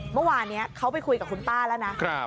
เมื่อวานนี้เขาไปคุยกับคุณป้าแล้วนะ